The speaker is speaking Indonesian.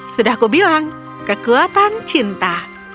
sudah kubilang kekuatan cinta